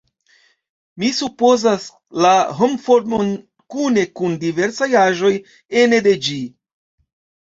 Mi supozas, la homformon kune kun diversaj aĵoj ene de ĝi.